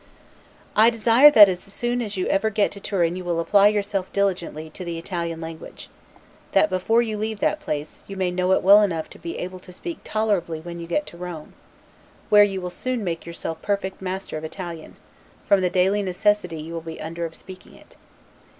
I desire that as soon as ever you get to Turin you will apply yourself diligently to the Italian language; that before you leave that place, you may know it well enough to be able to speak tolerably when you get to Rome; where you will soon make yourself perfectly master of Italian, from the daily necessity you will be under of speaking it.